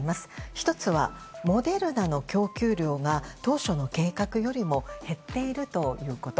１つは、モデルナの供給量が当初の計画よりも減っているということ。